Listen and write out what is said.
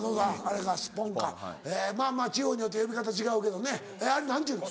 地方によって呼び方違うけどねあれ何ていうの？